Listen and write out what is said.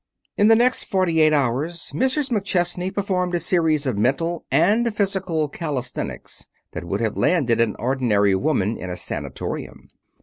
In the next forty eight hours, Mrs. McChesney performed a series of mental and physical calisthenics that would have landed an ordinary woman in a sanatorium.